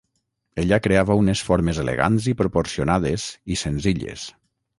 Ella creava unes formes elegants i proporcionades i senzilles.